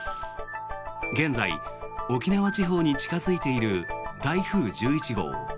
現在、沖縄地方に近付いている台風１１号。